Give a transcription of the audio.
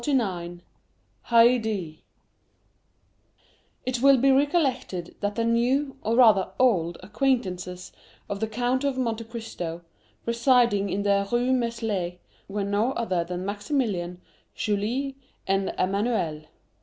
Haydée It will be recollected that the new, or rather old, acquaintances of the Count of Monte Cristo, residing in the Rue Meslay, were no other than Maximilian, Julie, and Emmanuel.